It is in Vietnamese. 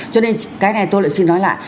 cho nên cái này tôi lại xin nói lại